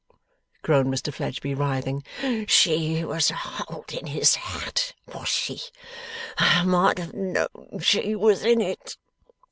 groaned Mr Fledgeby, writhing, 'she was holding his hat, was she? I might have known she was in it.